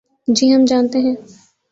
جی ہم جانتے ہیں۔